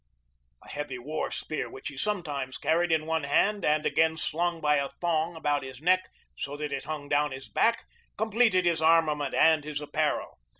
A heavy war spear which he sometimes carried in one hand and again slung by a thong about his neck so that it hung down his back completed his armament and his apparel.